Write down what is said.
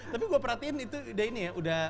tapi gue perhatiin itu udah ini ya